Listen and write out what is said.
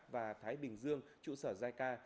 và thái bình dương trụ sở giai ca